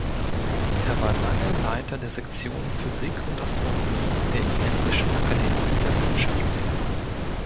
Er war lange Leiter der Sektion Physik und Astronomie der Estnischen Akademie der Wissenschaften.